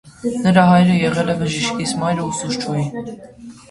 Նրա հայրը եղել է բժիշկ, իսկ մայրը՝ ուսուցչուհի։